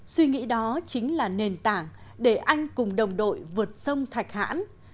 suy nghĩ đó chính là nền tảng để anh cùng đồng đội vượt sông thạch hãn